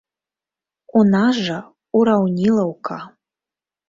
У нас жа ўраўнілаўка.